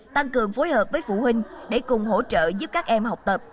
tăng cường phối hợp với phụ huynh để cùng hỗ trợ giúp các em học tập